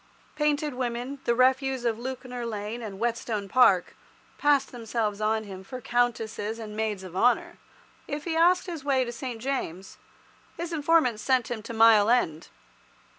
Painted women, the refuse of Lewkner Lane and Whetstone Park, passed themselves on him for countesses and maids of honour. If he asked his way to St. James', his informants sent him to Mile End.